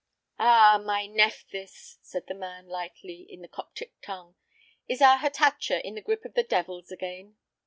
"Ah, my Nephthys," said the man, lightly, in the Coptic tongue, "is our Hatatcha in the grip of the devils again?"